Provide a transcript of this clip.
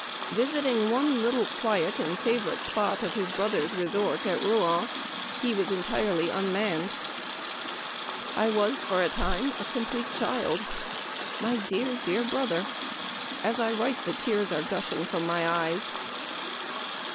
Visiting one little quiet and favorite 272 Memoir of Washington Irving. spot of his brother's resort at Rouen, he was entirely unmanned. " I was, for a time, a com plete child. My dear, dear brother ! As I write the tears are gushing from my eyes."